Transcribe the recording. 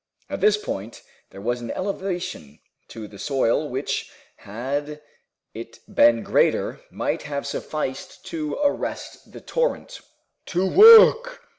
At this point there was an elevation of the soil which, had it been greater, might have sufficed to arrest the torrent. "To work!"